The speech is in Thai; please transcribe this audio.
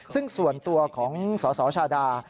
ซึ่งส่วนตัวของสสชาดา